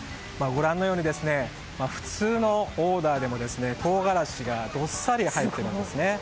ご覧のように普通のオーダーでも唐辛子がどっさり入っているんですね。